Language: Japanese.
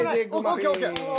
ＯＫＯＫ。